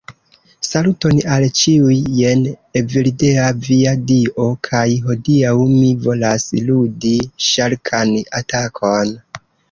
Saluton al ĉiuj, jen Evildea via dio, kaj hodiaŭ mi volas ludi Ŝarkan Atakon.